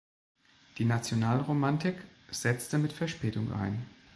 Die Nationalromantik setzte mit Verspätung ein.